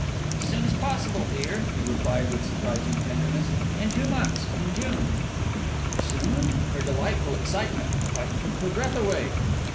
"As soon as possible, dear," he replied with surprising tenderness. "In two months in June." "So soon?" Her delightful excitement quite took her breath away.